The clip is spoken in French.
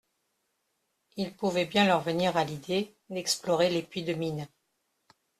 Il pouvait bien leur venir à l'idée d'explorer les puits de mine.